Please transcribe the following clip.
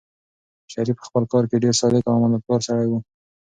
شریف په خپل کار کې ډېر صادق او امانتکار سړی و.